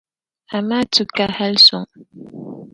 Amaatu ka hali suŋ.